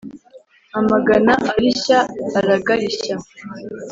Amagana arishya* aragarishya*.